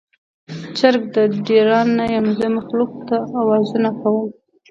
چرګ د ډیران نه یم، زه مخلوق ته اوازونه کوم